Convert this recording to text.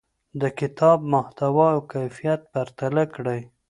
د کتاب محتوا او کیفیت پرتله کړئ.